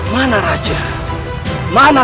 sampai jumpa disementara